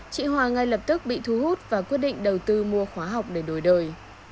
chị hòa ngay lập tức bị thu hút và quyết định đầu tư mua khóa học để đổi đời